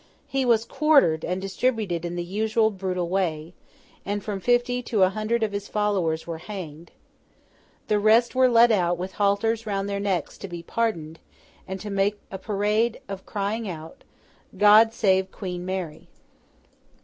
He was quartered and distributed in the usual brutal way, and from fifty to a hundred of his followers were hanged. The rest were led out, with halters round their necks, to be pardoned, and to make a parade of crying out, 'God save Queen Mary!